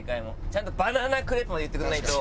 ちゃんと「バナナクレープ」まで言ってくれないと。